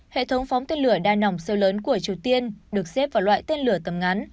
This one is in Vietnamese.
hệ thống phóng tên lửa đa nòng siêu lớn của triều tiên được xếp vào loại tên lửa tầm ngắn